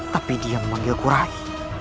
tapi dia memanggilku rai